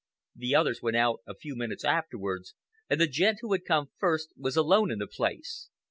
The others went out a few minutes afterwards, and the gent who had come first was alone in the place.